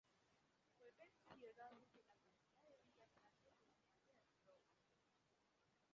Fue pensionado de la Academia de Bellas Artes de España en Roma.